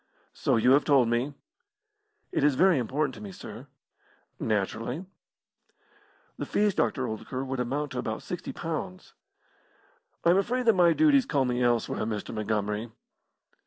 "So you have told me." "It is very important to me, sir." "Naturally." "The fees, Dr. Oldacre, would amount to about sixty pounds." "I am afraid that my duties call me elsewhere, Mr. Montgomery."